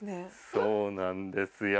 そうなんですよ。